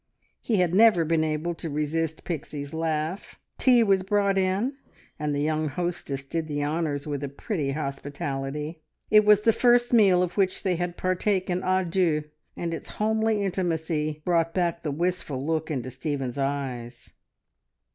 He had never been able to resist Pixie's laugh. Tea was brought in, and the young hostess did the honours with a pretty hospitality. It was the first meal of which they had partaken a deux, and its homely intimacy brought back the wistful look into Stephen's eyes.